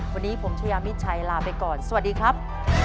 วันนี้ผมชายามิดชัยลาไปก่อนสวัสดีครับ